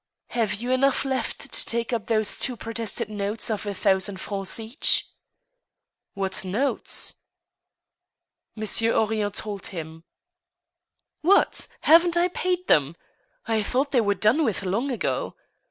" Have you enough left to take up those two protested notes, of a thousand francs each? " •'What notes?" Monsieur Henrion told him. " What ! haven't I paid them ? I thought they were done with long ago.